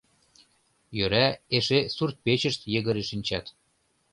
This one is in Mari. Йӧра, эше суртпечышт йыгыре шинчат.